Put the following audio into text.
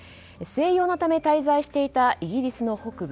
静養のため滞在していたイギリスの北部